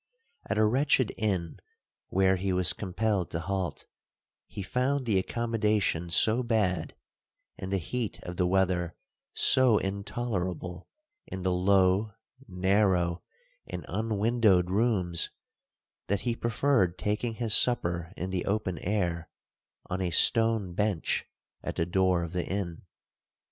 'At a wretched inn where he was compelled to halt, he found the accommodation so bad, and the heat of the weather so intolerable in the low, narrow, and unwindowed rooms, that he preferred taking his supper in the open air, on a stone bench at the door of the inn.